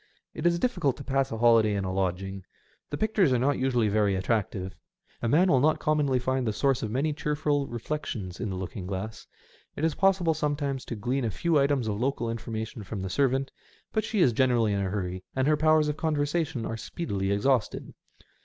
It is difficult to pass a holiday in a lodging. The pictures are not usually very attractive. SEASIDE EFFECTS. 211 A man will not commonly find the source of many cheerful reflections in the looking glass. It is possible sometimes to glean a few items of local information from the servant, but she is generally in a hurry, and her powers of conversation are speedily exhausted.